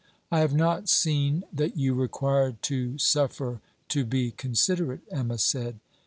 'I have not seen that you required to suffer to be considerate,' Emma said.